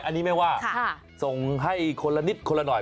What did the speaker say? อันนี้ไม่ว่าส่งให้คนละนิดคนละหน่อย